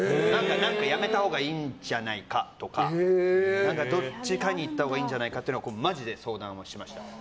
何かやめたほうがいいんじゃないかとかどっちかに行ったほうがいいんじゃないかってマジで相談はしました。